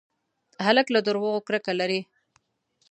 هلک له دروغو کرکه لري.